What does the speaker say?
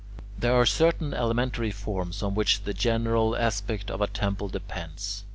There are certain elementary forms on which the general aspect of a temple depends.